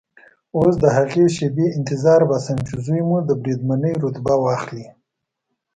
اوس د هغې شېبې انتظار باسم چې زوی مو د بریدمنۍ رتبه واخلي.